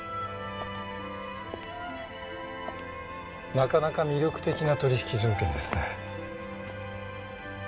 なかなか魅力的な取引条件ですね。